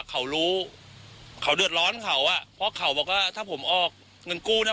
เขารู้เขาเดือดร้อนเขาอ่ะเพราะเขาบอกว่าถ้าผมออกเงินกู้เนี่ย